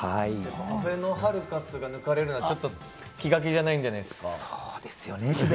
あべのハルカスが抜かれるのは気が気じゃないんじゃないですか？